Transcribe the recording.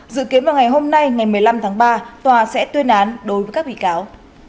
dự kiến vào ngày hôm nay ngày một mươi năm tháng ba tòa sẽ tuyên án đối với các bị cáo